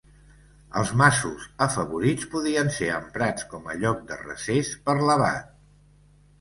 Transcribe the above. Els masos afavorits podien ser emprats com a llocs de recés per l'abat.